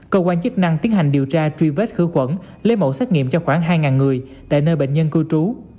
cơ quan chức năng tiến hành điều tra truy vết khử khuẩn lấy mẫu xét nghiệm cho khoảng hai người tại nơi bệnh nhân cư trú